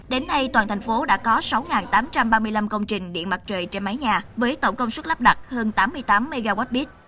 đến nay toàn thành phố đã có sáu tám trăm ba mươi năm công trình điện mặt trời trên mái nhà với tổng công suất lắp đặt hơn tám mươi tám mw